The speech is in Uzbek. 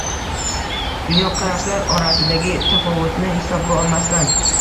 Dunyoqarashlar orasidagi tafovutni hisobga olmasdan